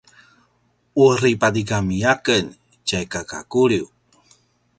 uri patigami a ken tjay kaka i Kuliu